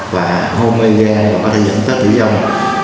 và omega có thể dẫn tới tử dông